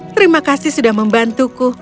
terima kasih sudah membantuku